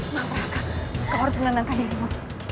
maka kau harus menanamkan dirimu